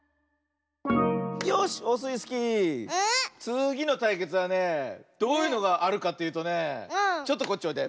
よしオスイスキーつぎのたいけつはねどういうのがあるかというとねちょっとこっちおいで。